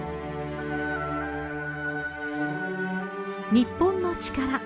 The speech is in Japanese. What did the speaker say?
『日本のチカラ』